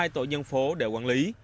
một trăm linh hai tổ dân phố đều quản lý